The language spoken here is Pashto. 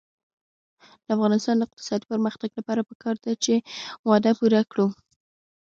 د افغانستان د اقتصادي پرمختګ لپاره پکار ده چې وعده پوره کړو.